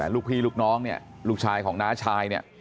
ลูกพี่ลูกน้องเนี่ยลูกชายของน้าชายเนี่ย